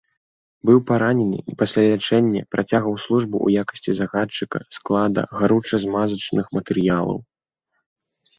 Быў паранены і пасля лячэння працягваў службу ў якасці загадчыка склада гаруча-змазачных матэрыялаў.